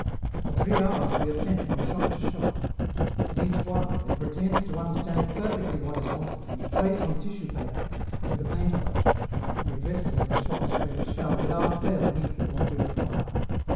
For three hours we are sent from shop to shop; at each one they pretend to understand perfectly what is wanted and trace on tissue paper, with a paint brush, the addresses of the shops where we shall without fail meet with what we require.